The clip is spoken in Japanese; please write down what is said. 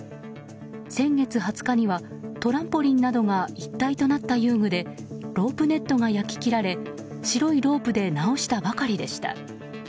先月２０日にはトランポリンなどが一体となった遊具でロープネットが焼き切られ白いロープで直したばかりでした。